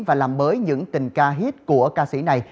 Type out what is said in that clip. và làm mới những tình ca hít của ca sĩ này